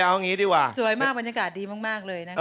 เอาอย่างนี้ดีกว่าสวยมากบรรยากาศดีมากเลยนะคะ